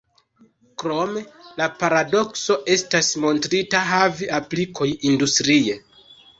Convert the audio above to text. Krome, la paradokso estas montrita havi aplikoj industrie.